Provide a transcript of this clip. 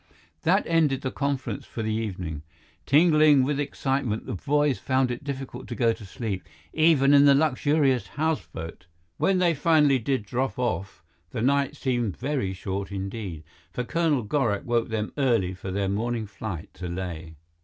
That ended the conference for the evening. Tingling with excitement, the boys found it difficult to go to sleep, even in the luxurious houseboat. When they finally did drop off, the night seemed very short indeed, for Colonel Gorak woke them early for their morning flight to Leh.